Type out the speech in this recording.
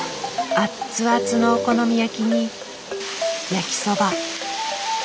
アッツアツのお好み焼きに焼きそば。